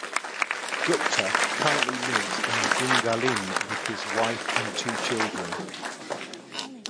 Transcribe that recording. Gupta currently lives in Gungahlin with his wife and two children.